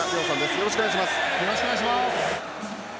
よろしくお願いします。